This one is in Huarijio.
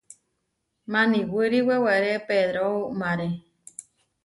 Maniwíri weweré Pedró umáre.